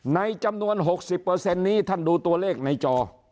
ในจำนวน๖๐นี้ท่านดูตัวเลขในจอ